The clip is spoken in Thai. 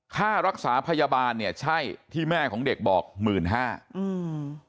ค่ารักษาพยาบาลเนี่ยใช่ที่แม่ของเด็กบอก๑๕๐๐๐บาท